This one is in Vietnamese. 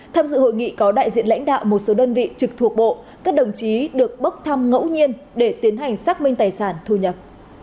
tham dự hội nghị có đại diện lãnh đạo một số đơn vị trực thuộc bộ các đồng chí được bốc thăm ngẫu nhiên để tiến hành xác minh tài sản thu nhập